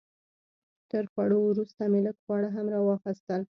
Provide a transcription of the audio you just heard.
تر خوړو وروسته مې لږ خواږه هم راواخیستل.